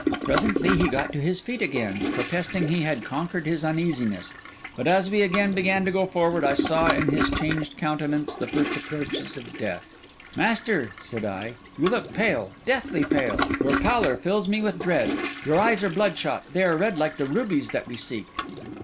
Presently he got to his feet again, protesting he had conquered his uneasiness; but as we again began to go forward, I saw in his changed countenance, the first approaches of death. 'Master,' said I, 'you look pale, deathly pale; your pallor fills me with dread. Your eyes are bloodshot; they are red like the rubies that we seek.